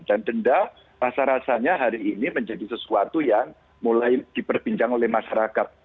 dan denda rasa rasanya hari ini menjadi sesuatu yang mulai diperbincang oleh masyarakat